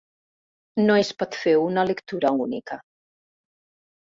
No es pot fer una lectura única.